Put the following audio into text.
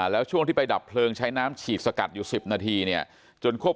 แล้วช่วงที่ไปดับเพลิงใช้น้ำฉีดสกัดอยู่๑๐นาทีเนี่ยจนควบ